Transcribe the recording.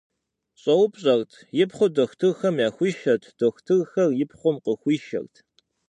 Щӏэупщӏэрт, и пхъур дохутырхэм яхуишэрт, дохутырхэр и пхъум къыхуишэрт.